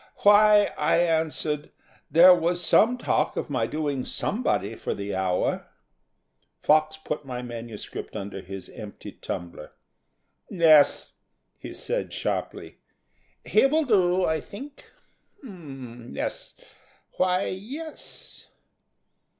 "Why," I answered, "there was some talk of my doing somebody for the Hour." Fox put my manuscript under his empty tumbler. "Yes," he said, sharply. "He will do, I think. H'm, yes. Why, yes."